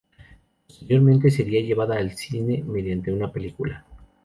Posteriormente sería llevada al cine mediante una película.